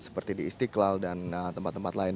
seperti di istiqlal dan tempat tempat lain